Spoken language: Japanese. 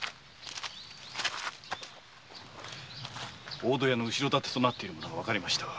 大戸屋の後ろ盾となっている者がわかりました。